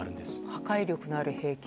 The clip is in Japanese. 破壊力のある兵器。